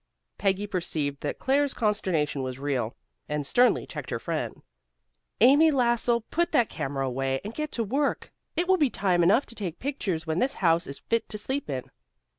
Peggy perceived that Claire's consternation was real, and sternly checked her friend. "Amy Lassell, put that camera away, and get to work. It will be time enough to take pictures when this house is fit to sleep in."